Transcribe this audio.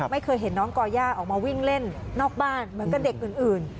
ไม่เคยเห็นน้องก่อย่าออกมาวิ่งเล่นนอกบ้านเหมือนกับเด็กอื่น